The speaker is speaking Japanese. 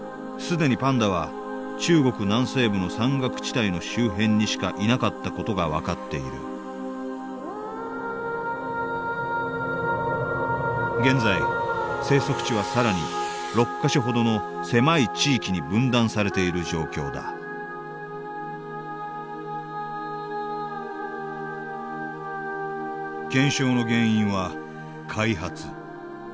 すでにパンダは中国南西部の山岳地帯の周辺にしかいなかった事が分かっている現在生息地は更に６か所ほどの狭い地域に分断されている状況だ減少の原因は開発。